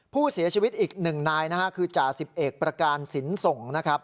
ผู้เสียชีวิตอีกหนึ่งนายนะฮะคือจ่าสิบเอกประการสินส่งนะครับ